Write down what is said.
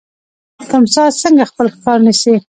تمساح څنګه خپل ښکار نیسي؟